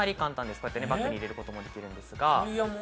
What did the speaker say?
こうやってバッグに入れることもできるんですが。